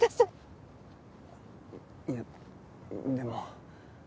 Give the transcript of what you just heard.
いやでも。